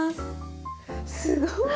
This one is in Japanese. すごい！